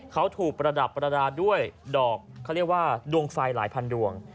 เขาถูกประดับประดาษด้วยดอกเขาเรียกว่าดวงไฟหลายพันดวง